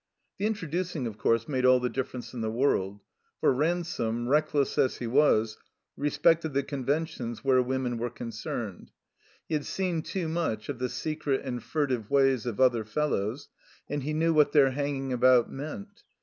The introducing, of course, made all the difference in the world; for Ransome, reckless as he was, re spected the conventions where women were con cerned. He had seen too much of the secret and furtive ways of other fellows, and he knew what their hanging about meant.